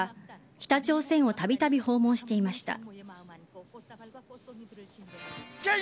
北朝鮮をたびたび訪問していました。